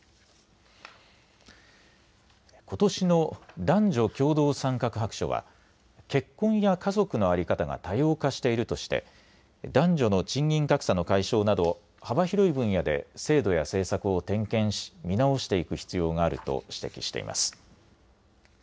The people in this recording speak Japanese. ことしの男女共同参画白書は結婚や家族の在り方が多様化しているとして男女の賃金格差の解消など幅広い分野で制度や政策を点検し見直していく必要があると指摘しています。